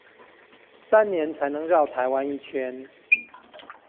三年才能繞台灣一圈